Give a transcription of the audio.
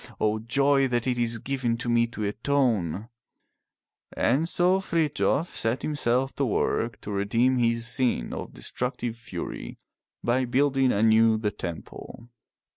O joy that it is given me to atone!" And so Frithjof set himself to work to redeem his sin of de structive fury by building anew the temple.